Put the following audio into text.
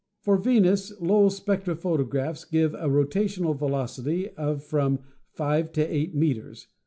For Venus, Lowell's spectrophotographs give a rotational velocity of from 5 to 8 meters (16.